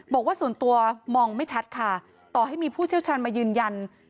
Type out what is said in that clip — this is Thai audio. บอกว่าส่วนตัวมองไม่ชัดค่ะต่อให้มีผู้เชี่ยวชาญมายืนยัน